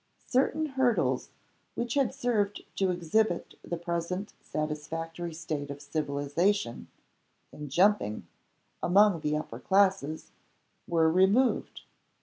Certain hurdles, which had served to exhibit the present satisfactory state of civilization (in jumping) among the upper classes, were removed.